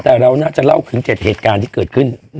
แต่เราน่าจะเล่าถึง๗เหตุการณ์ที่เกิดขึ้น